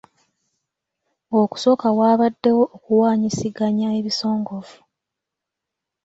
Okusooka waabaddewo okuwanyisiganya ebisongovu